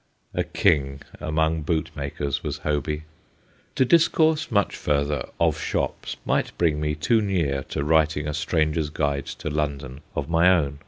A king among bootmakers was Hoby. To discourse much further of shops might bring me too near to writing a stranger's guide to London of my own.